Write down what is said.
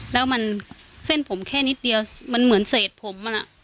แล้วเส้นผมแค่นิดเดียวมันเหมือนเสร็จผม